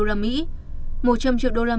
một trăm linh triệu usd